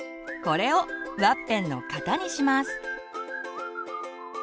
これをワッペンの型にします。